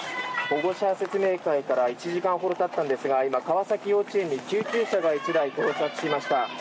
保護者説明会から１時間ほどたったんですが今、川崎幼稚園に救急車が１台到着しました。